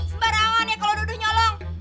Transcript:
sembarangan ya kalau dodo nyolong